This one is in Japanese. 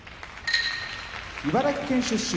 茨城県出身